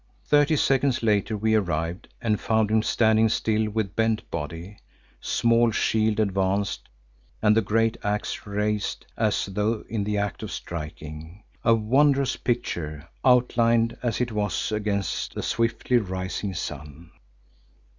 Thirty seconds later we arrived and found him standing still with bent body, small shield advanced and the great axe raised as though in the act of striking, a wondrous picture outlined as it was against the swiftly rising sun.